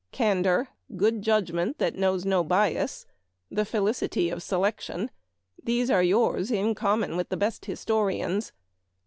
Candor, good judgment that knows no bias, the felicity oi selection, these are yours in common with the best histo rians.